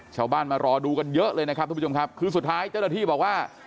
ชาวบ้านมารอดูกันเยอะเลยนะครับทุกผู้ชมครับคือสุดท้ายเจ้าหน้าที่บอกว่า